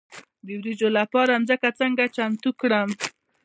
د وریجو لپاره ځمکه څنګه چمتو کړم؟